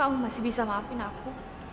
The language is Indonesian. kamu masih bisa maafin aku